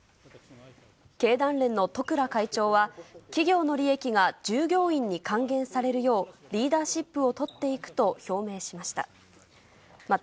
経団連の十倉会長は、企業の利益が従業員に還元されるよう、リーダーシップを執っていくと表明しました。